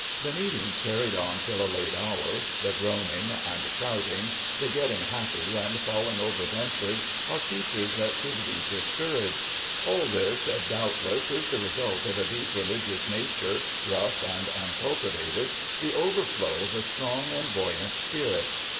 The meetings carried on till a late hour, the groaning, and shouting, the get ting happy, and falling over benches, are features that should be discouraged. All this, doubtless, is the result of a deep religious nature, rough and uncultivated, the overflow of a strong and buoyant spirit.